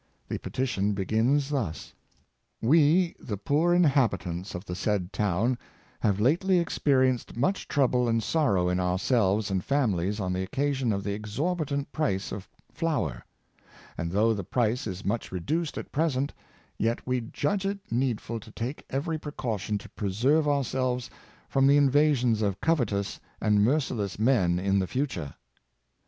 The petition begins thus: "We, the poor inhabitants of the said town, have lately experienced much trouble and sorrow in ourselves and families, on the occasion of the exorbitant price of flour; and though the price is much reduced at present, yet we judge it needful to take every precaution to preserve ourselves from the invasions of covetous and merciless men in the future."